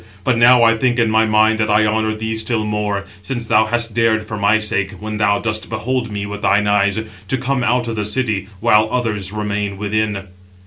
But now I think in my mind that I honour thee still more, since thou hast dared for my sake, when thou dost behold [me] with thine eyes, to come out of the city; while others remain within."